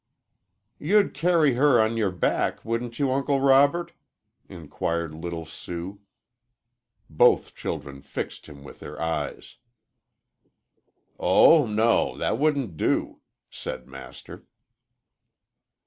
"You'd carry her on your back wouldn't you, Uncle Robert?" inquired little Sue. Both children fixed him with their eyes. "Oh no that wouldn't do," said Master.